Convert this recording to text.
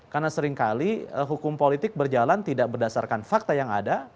karena seringkali hukum politik berjalan tidak berdasarkan fakta yang ada